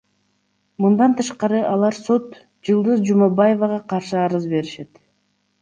Мындан тышкары алар сот Жылдыз Жумабаевага каршы арыз беришет.